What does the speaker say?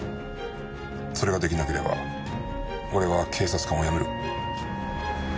それが出来なければ俺は警察官を辞める。